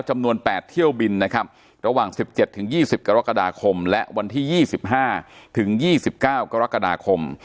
จำนวน๘เที่ยวบินนะครับระหว่าง๑๗๒๐กรกฎาคมและวันที่๒๕ถึง๒๙กรกฎาคม